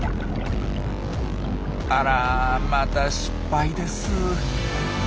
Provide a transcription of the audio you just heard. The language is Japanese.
あらまた失敗です。